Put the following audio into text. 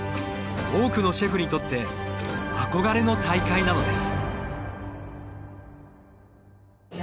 多くのシェフにとって憧れの大会なのです。